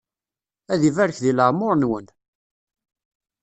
Ad ibarek di leεmuṛ-nwen!